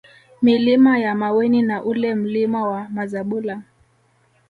Milima ya Maweni na ule Mlima wa Mazabula